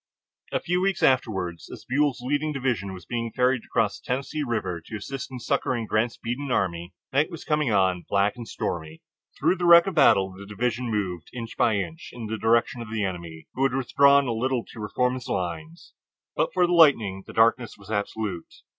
A few weeks afterward, as Buell's leading division was being ferried over the Tennessee River to assist in succoring Grant's beaten army, night was coming on, black and stormy. Through the wreck of battle the division moved, inch by inch, in the direction of the enemy, who had withdrawn a little to reform his lines. But for the lightning the darkness was absolute.